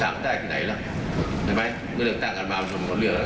นะยังไม่เกี่ยวของท่านเลย